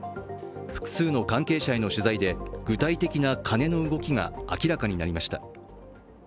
複数の関係者への取材で具体的な金の動きが明らかになりました。